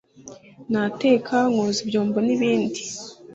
ngateka, nkoza ibyombo n’ibindi.